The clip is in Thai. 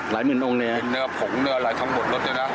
เห็นเนื้อผงเนื้ออะไรทั้งหมดรถด้วยนะ